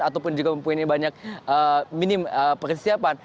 ataupun juga mempunyai banyak minim persiapan